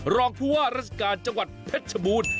รองผู้ว่าราชการจังหวัดเพชรชบูรณ์